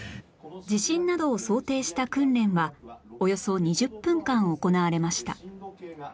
地震などを想定した訓練はおよそ２０分間行われました